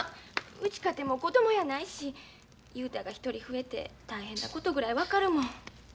うちかてもう子供やないし雄太が一人増えて大変なことぐらい分かるもん。